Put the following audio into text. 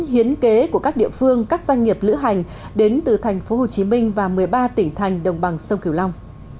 hiến kế của các địa phương các doanh nghiệp lữ hành đến từ thành phố hồ chí minh và một mươi ba tỉnh thành đồng bằng sông kiều long